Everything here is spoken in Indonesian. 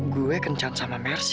gue kencan sama mercy